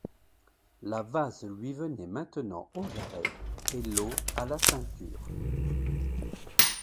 La vase lui venait maintenant aux jarrets et l'eau à la ceinture.